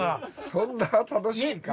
そんな楽しいか？